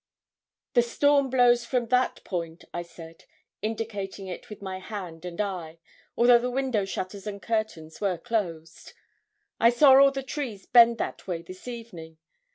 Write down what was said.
'The storm blows from that point,' I said, indicating it with my hand and eye, although the window shutters and curtains were closed. 'I saw all the trees bend that way this evening.